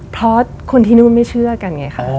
เพราะคนที่นู่นไม่เชื่อกันไงคะ